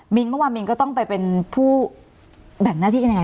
เมื่อวานมินก็ต้องไปเป็นผู้แบ่งหน้าที่กันยังไง